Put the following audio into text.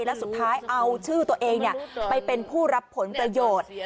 แล้วสุดท้ายเอาชื่อตัวเองไปเป็นผู้รับผลประโยชน์